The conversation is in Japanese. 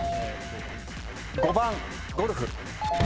５番ゴルフ。